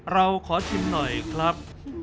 เราขอชิมหน่อยครับ